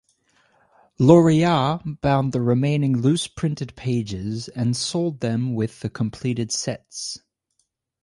Lauriat bound the remaining loose printed pages and sold them with the completed sets.